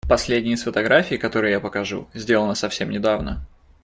Последняя из фотографий, которые я покажу, сделана совсем недавно.